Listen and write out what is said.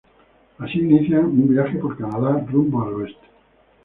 Así inician un viaje por Canadá rumbo al oeste.